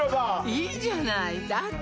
いいじゃないだって